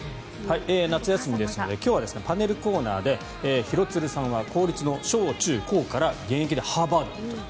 夏休みですので今日はパネルコーナーで廣津留さんは公立の小中高から現役でハーバードへと。